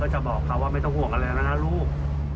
จะบอกเขาว่าไม่ต้องห่วงอะไรแล้วนะลูก